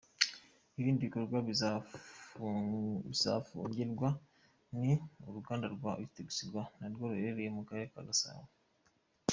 Ibindi bikorwa bizafungirwa ni uruganda rwa Utexirwa na rwo ruherereye mu Karere ka Gasabo.